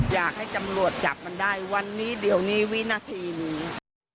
อยากให้ตำรวจจับมันได้วันนี้เดี๋ยวนี้วินาทีนี้